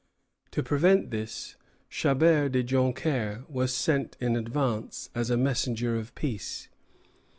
To prevent this, Chabert de Joncaire was sent in advance, as a messenger of peace.